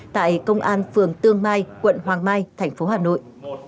tại công an phường tương mai quận hoàng mai tp hà nội